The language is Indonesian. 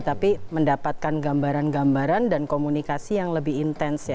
tapi mendapatkan gambaran gambaran dan komunikasi yang lebih intens ya